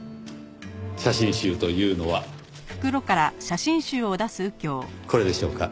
写真集というのはこれでしょうか？